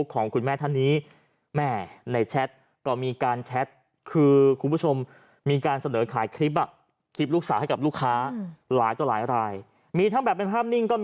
คนที่เขาติดต่อมาทางเฟซ